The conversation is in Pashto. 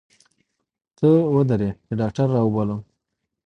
ته ودرې چې ډاکتر راوبولم.